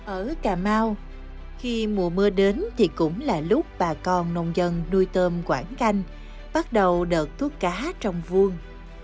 ở cà mau khi mùa mưa đến thì cũng là lúc bà con nông dân nuôi tôm quảng canh bắt đầu đợt thuốc cá trong vuông